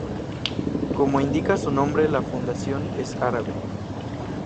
Como indica su nombre la fundación es árabe.